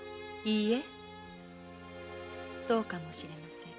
いいえそうかもしれません。